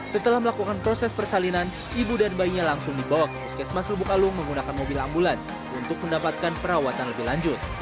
setelah melakukan proses persalinan ibu dan bayinya langsung dibawa ke puskesmas lubuk alung menggunakan mobil ambulans untuk mendapatkan perawatan lebih lanjut